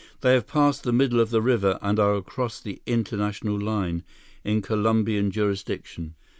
They have passed the middle of the river and are across the international line, in Colombian jurisdiction."